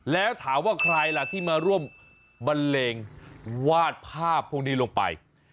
แล้วถามว่าใครล่ะที่มาร่วมบันเลงวาดภาพพวกนี้ลงไป